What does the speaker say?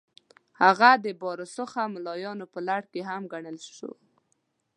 هغه د با رسوخه ملایانو په لړ کې هم وګڼل شو.